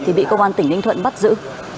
thì bị công an tỉnh ninh thuận bắt giữ